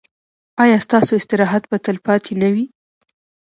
ایا ستاسو استراحت به تلپاتې نه وي؟